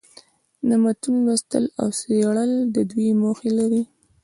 د متون لوستل او څېړل دوې موخي لري.